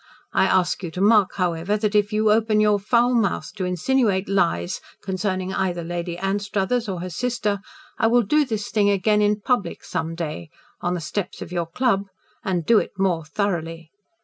I'll ask you to mark, however, that if you open your foul mouth to insinuate lies concerning either Lady Anstruthers or her sister I will do this thing again in public some day on the steps of your club and do it more thoroughly."